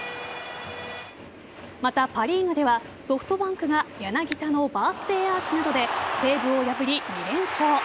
また、パ・リーグではソフトバンクが柳田のバースデーアーチなどで西武を破り２連勝。